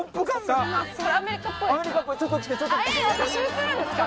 私も映るんですか？